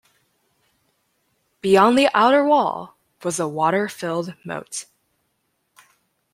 Beyond the outer wall was a water-filled moat.